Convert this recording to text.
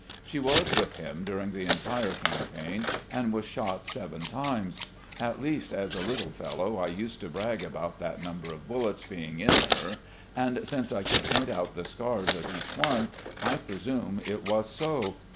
She was with him during the entire campaign, and was shot seven times ; at least, as a little fellow I used to brag about that number of bullets being in her, and since I could point out the scars of each one, I presume it was so.